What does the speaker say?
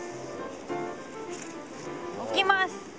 巻きます。